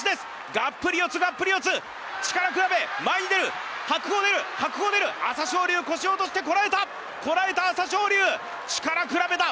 がっぷり四つがっぷり四つ力比べ前に出る白鵬出る白鵬出る朝青龍腰を落としてこらえたこらえた朝青龍力比べだ